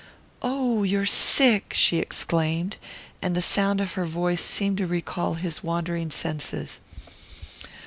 "Oh, you're sick!" she exclaimed; and the sound of her voice seemed to recall his wandering senses.